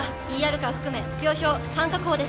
カー含め病床３確保です